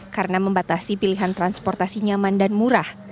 karena membatasi pilihan transportasi nyaman dan murah